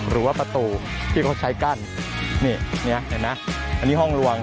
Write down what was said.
หรือว่าประตูที่เขาใช้กั้นนี่เนี่ยเห็นไหมอันนี้ห้องลวง